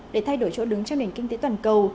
để thay đổi chỗ đứng trong nền kinh tế toàn cầu